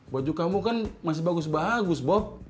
baju kamu kan masih bagus bagus boh